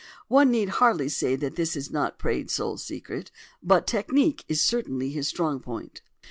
One need hardly say that this is not Praed's sole secret: but technique is certainly his strong point.